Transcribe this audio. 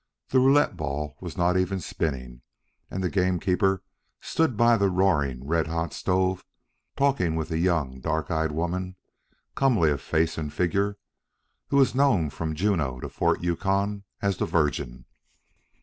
The roulette ball was not even spinning, and the gamekeeper stood by the roaring, red hot stove, talking with the young, dark eyed woman, comely of face and figure, who was known from Juneau to Fort Yukon as the Virgin.